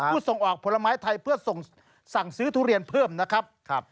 ส่งออกผลไม้ไทยเพื่อสั่งซื้อทุเรียนเพิ่มนะครับ